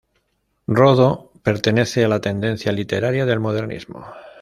Rodó pertenece a la tendencia literaria del modernismo.